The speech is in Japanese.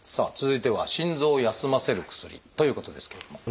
続いては心臓を休ませる薬ということですけれども。